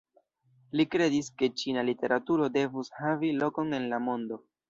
Li kredis ke ĉina literaturo devus havi lokon en la mondo.